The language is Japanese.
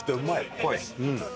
濃い。